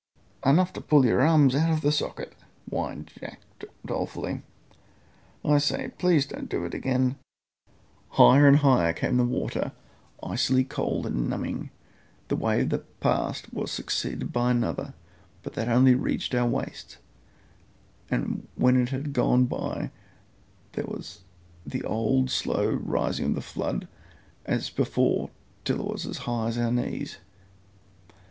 "Enough to pull your arms out of the socket," whined Jack dolefully. "I say, please don't do it again. I'd rather have to swim." Higher and higher came the water, icily cold and numbing. The wave that passed was succeeded by another, but that only reached to our waists, and when this had gone by there was the old slow rising of the flood as before till it was as high as our knees.